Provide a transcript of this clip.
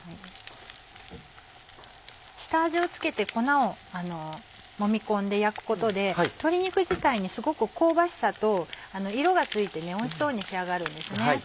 下味を付けて粉をもみ込んで焼くことで鶏肉自体にすごく香ばしさと色がついておいしそうに仕上がるんですね。